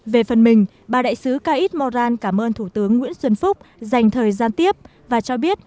về phần mình bà đại sứ caid moran cảm ơn thủ tướng nguyễn xuân phúc dành thời gian tiếp và cho biết